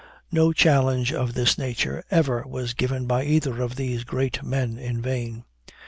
No challenge of this nature ever was given by either of these great men in vain.